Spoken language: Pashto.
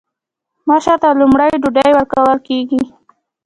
مشر ته لومړی ډوډۍ ورکول کیږي.